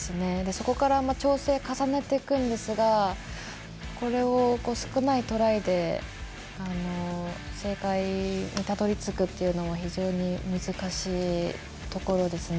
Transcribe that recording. そこから調整重ねていくんですがこれを少ないトライで正解にたどりつくというのも非常に難しいところですね。